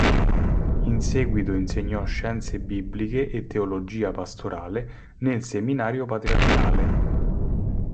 In seguito insegnò scienze bibliche e teologia pastorale nel seminario patriarcale.